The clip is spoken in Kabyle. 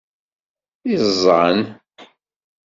Iẓẓan!